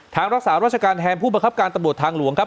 รักษาราชการแทนผู้บังคับการตำรวจทางหลวงครับ